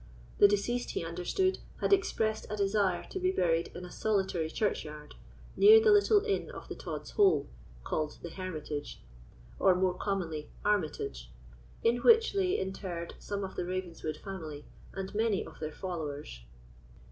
The deceased, he understood, had expressed a desire to be buried in a solitary churchyard, near the little inn of the Tod's Hole, called the Hermitage, or more commonly Armitage, in which lay interred some of the Ravenswood family, and many of their followers.